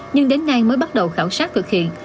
nhưng đến nay mới bắt đầu khảo sát thực hiện